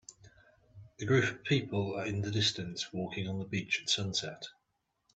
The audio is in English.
A group of people are in the distance walking on a beach at sunset.